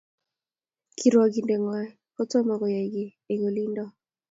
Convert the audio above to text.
Kirwangindet nywan ko toma koyay ki eng olindo